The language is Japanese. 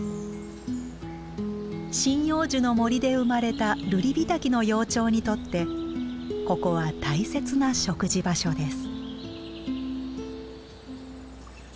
針葉樹の森で生まれたルリビタキの幼鳥にとってここは大切な食事場所です。